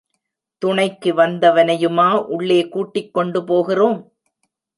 துணைக்கு வந்தவனையுமா உள்ளே கூட்டிக் கொண்டு போகிறோம்?